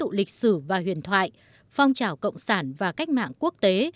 trong bầu không khí tiếng tụ lịch sử và huyền thoại phong trào cộng sản và cách mạng quốc tế